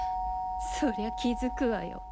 そりゃ気付くわよ